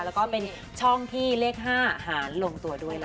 แล้วก็เป็นช่องที่เลข๕หารลงตัวด้วยนะคะ